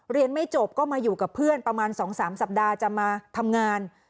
เรียนไม่จบก็มาอยู่กับเพื่อนประมาณ๒๓สัปดาห์จะมาทำงาน